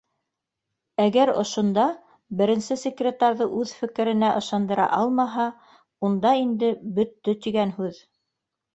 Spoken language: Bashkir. Әгәр ошонда беренсе секретарҙы үҙ фе керенә ышандыра алмаһа, унда инде боттө тигән һүҙ